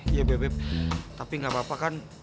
iya bebek tapi gak apa apa kan